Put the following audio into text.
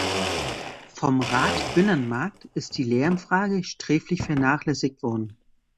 Vom Rat "Binnenmarkt" ist die Lärmfrage sträflich vernachlässigt worden.